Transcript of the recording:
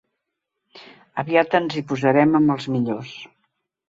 Aviat ens hi posarem amb els millors.